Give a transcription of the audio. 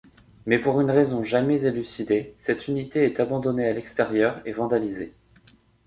Mais pour une raison jamais élucidée, cette unité est abandonnée à l'extérieur et vandalisée.